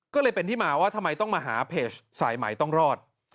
ก็เลยเป็นที่มาว่าทำไมต้องมาหาเพจสายใหม่ต้องรอด